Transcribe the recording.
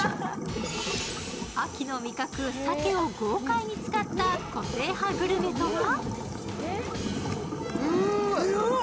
秋の味覚、鮭を豪快に使った個性派グルメとは？